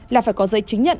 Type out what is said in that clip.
là phải có giấy chứng nhận